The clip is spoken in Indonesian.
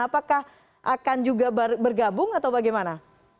apakah akan juga bergabung atau bagaimana